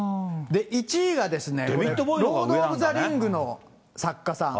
１位がロード・オブ・ザ・リングの作家さん。